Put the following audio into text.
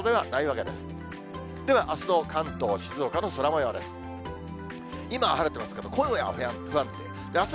ではあすの関東、静岡の空もようです。